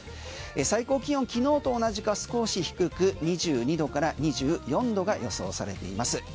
最高気温、昨日と同じか少し低く２２度から２４度が予想されています。